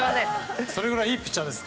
それぐらいいいピッチャーです。